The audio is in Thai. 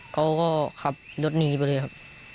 เขาก็ขับรถหนีไปเลยครับ